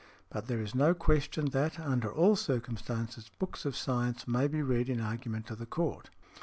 But there is no question that, under all circumstances, books of science may be read in argument to the Court.